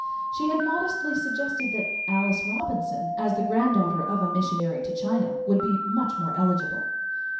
She had modestly suggested that Alice Robinson, as the granddaughter of a missionary to China, would be much more eligible.